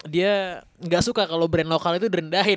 dia gak suka kalau brand lokal itu direndahin